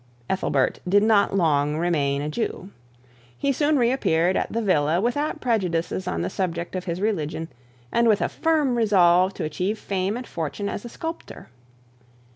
Ethelbert did not long remain a Jew. He soon reappeared at the villa without prejudices on the subject of his religion, and with a firm resolve to achieve fame and fortune as a sculptor.